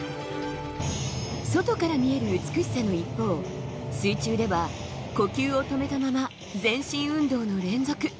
外から見える美しさの一方、水中では呼吸を止めたまま全身運動の連続。